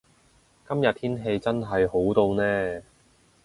今日天氣真係好到呢